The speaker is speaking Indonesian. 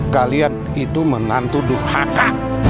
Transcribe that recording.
kalian itu menantu duk hakka